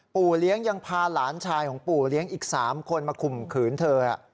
ปู่เลี้ยงยังพาหลานชายของปู่เลี้ยงอีก๓คนมาข่มขืนเธอ